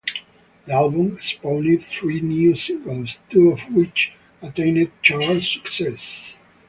The album spawned three new singles, two of which attained chart success.